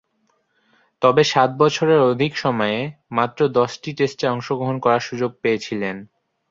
তবে, সাত বছরের অধিক সময়ে মাত্র দশটি টেস্টে অংশগ্রহণ করার সুযোগ পেয়েছিলেন।